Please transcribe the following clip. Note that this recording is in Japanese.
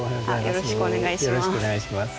よろしくお願いします。